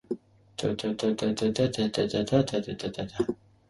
The song was a commercial success.